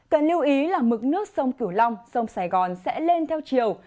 cần lưu ý là mực nước sông cửu long sông sài gòn sẽ lên theo chiều